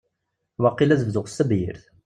Waqil ad bduɣ s tebyirt.